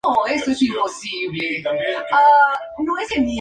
En relación a los "mitos" la distinción ha sido más discutida.